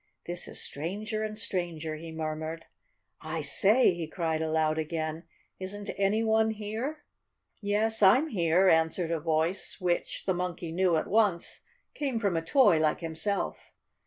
"This is stranger and stranger," he murmured. "I say!" he cried aloud again, "isn't any one here?" "Yes, I'm here," answered a voice which, the Monkey knew at once, came from a toy like himself.